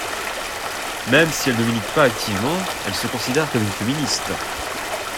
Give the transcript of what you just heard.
Même si elle ne milite pas activement, elle se considère comme une féministe.